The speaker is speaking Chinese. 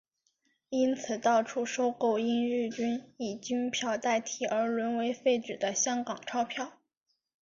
因此到处收购因日军以军票代替而沦为废纸的香港钞票。